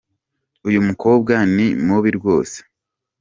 Uyu mukobwa ni mubi rwose.